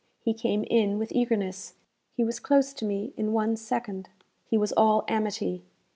He came in with eagerness; he was close to me in one second; he was all amity.